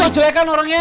lo yang jelekan orangnya